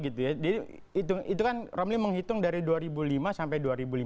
itu kan romli menghitung dari dua ribu lima sampai dua ribu lima belas